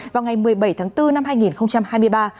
vào ngày một mươi bảy tháng bốn năm hai nghìn hai mươi ba